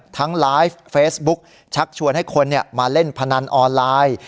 ไลฟ์เฟซบุ๊กชักชวนให้คนมาเล่นพนันออนไลน์